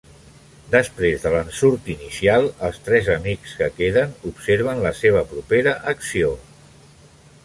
Després de l'ensurt inicial, els tres amics que queden observen la seva propera acció.